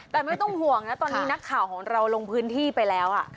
แต่ไม่ต้องห่วงนะตอนนี้นักข่าวของเราลงพื้นที่ไปแล้ว